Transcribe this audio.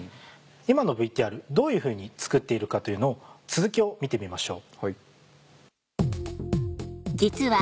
今のＶＴＲどういうふうに作っているかというのを続きを見てみましょう。